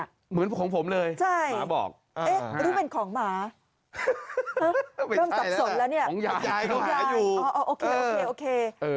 จากยายเขาหาอยู่